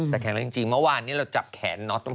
แต่แข็งแรงจริงเมื่อวานนี้เราจับแขนน็อต